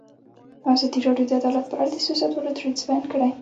ازادي راډیو د عدالت په اړه د سیاستوالو دریځ بیان کړی.